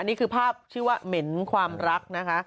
นี่คือภาพชื่อว่าเหม็นความรักนะคะ